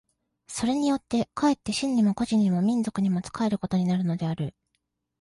それによって却って真に個人にも民族にも仕えることになるのである。